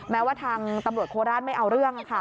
แม้ว่าทางตำรวจโคราชไม่เอาเรื่อง